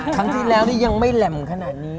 ครั้งที่แล้วนี่ยังไม่แหลมขนาดนี้